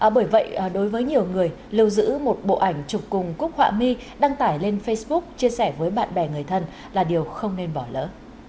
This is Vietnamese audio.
bởi vậy đối với nhiều người lưu giữ một bộ ảnh chụp cùng cúc họa mi đăng tải lên facebook chia sẻ với bạn bè người thân là điều không nên bỏ lỡ